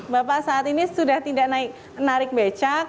bapak saat ini sudah tidak menarik becak